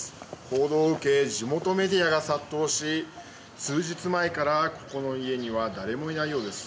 報道を受け、地元メディアが殺到し数日前からここの家には誰もいないようです。